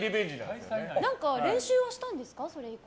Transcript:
練習はしたんですか？